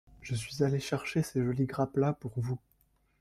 Je suis allée chercher ces jolies grappes-là pour vous.